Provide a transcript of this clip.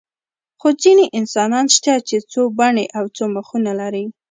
خو ځینې انسانان شته چې څو بڼې او څو مخه لري.